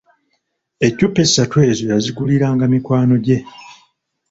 Eccupa essatu ezo yaziguliranga mikwano gye.